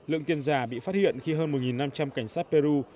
lượng tiền giả bị phát hiện khi hơn một năm trăm linh cảnh sát peru